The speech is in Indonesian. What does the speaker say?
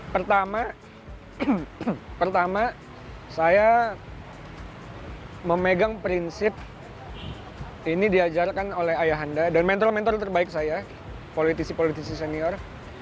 pertama pertama saya memegang prinsip ini diajarkan oleh ayah anda dan mentor mentor terbaik saya politisi politisi senior